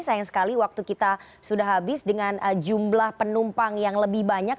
sayang sekali waktu kita sudah habis dengan jumlah penumpang yang lebih banyak